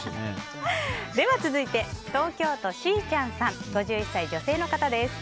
続いて東京都の５１歳、女性の方です。